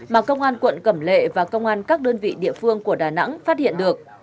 mà công an quận cẩm lệ và công an các đơn vị địa phương của đà nẵng phát hiện được